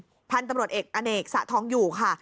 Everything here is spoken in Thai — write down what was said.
พันธุ์ตำรวจเอกอเนกสะทองอยู่ค่ะ